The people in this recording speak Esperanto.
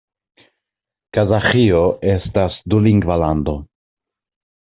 Kazaĥio estas dulingva lando.